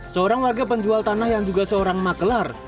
seorang warga penjual tanah yang juga seorang makelar